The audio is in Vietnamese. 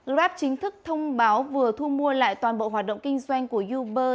raf chính thức thông báo vừa thu mua lại toàn bộ hoạt động kinh doanh của uber